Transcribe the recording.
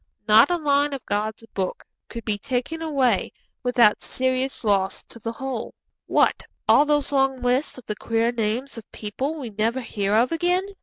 Not a line of God's Book could be taken away without serious loss to the whole. 'What, all those long lists of the queer names of people we never hear of again?'